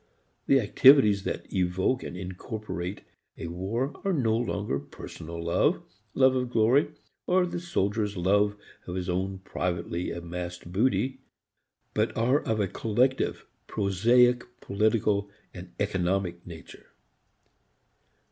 The activities that evoke and incorporate a war are no longer personal love, love of glory, or the soldier's love of his own privately amassed booty, but are of a collective, prosaic political and economic nature.